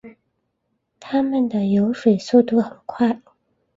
它们的游水速度很快。